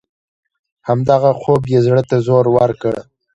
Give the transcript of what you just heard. همدغه خوب یې زړه ته زور ورکړ.